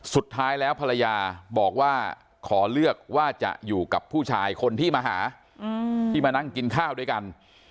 สุดท้ายแล้วภรรยาบอกว่าขอเลือกว่าจะอยู่กับผู้ชายคนที่มาหาที่มานั่งกินข้าวด้วยกัน